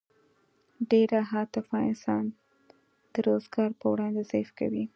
ډېره عاطفه انسان د روزګار په وړاندې ضعیف کوي